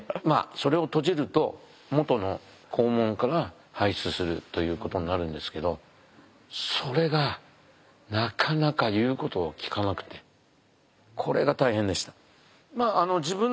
それを閉じると元の肛門から排出するということになるんですけどそれがなかなか言うことを聞かなくてこれが大変でした。